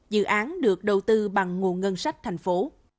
dự án được đầu tư bằng nguồn ngân sách thành phố